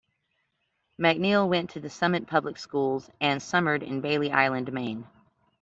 MacNeille went to the Summit Public Schools and summered in Bailey Island, Maine.